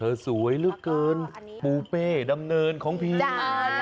เธอสวยลืกเกินปูเป้ดำเนินของพี่เออแน่